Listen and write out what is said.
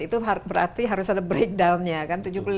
itu berarti harus ada breakdownnya kan